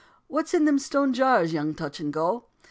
What's in them stone jars, young touch and go?"